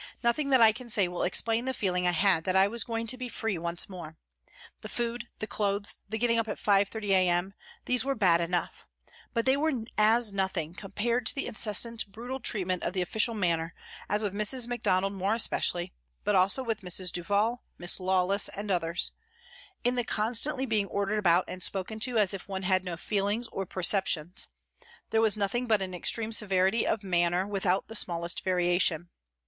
Nothing that I can say will explain the feeling I had that I was going to be free once more. The food, the clothes, the getting up at 5.30 a.m., these were bad enough, but they were as nothing compared to the incessant brutal treatment of the official manner, as with Mrs. Macdonald more especially, but also with Mrs. Duval, Miss Lawless, and others ; in the con stantly being ordered about and spoken to as if one had no feelings or perceptions, there was nothing but an extreme severity of manner without the smallest variation.